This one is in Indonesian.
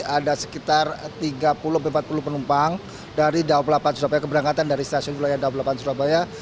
ada sekitar tiga puluh empat puluh penumpang dari dauplapan surabaya keberangkatan dari stasiun dauplapan surabaya